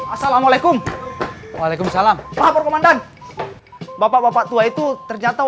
assalamualaikum waalaikumsalam paham komandan bapak bapak tua itu ternyata